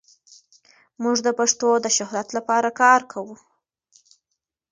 موږ د پښتو د شهرت لپاره کار کوو.